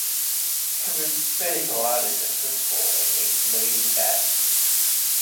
He was particularly successful against leading batsmen.